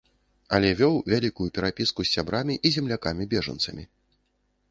Але вёў вялікую перапіску з сябрамі і з землякамі-бежанцамі.